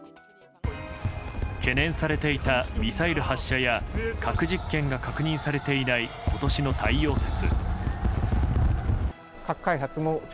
懸念されていたミサイル発射や核実験が確認されていない今年の太陽節。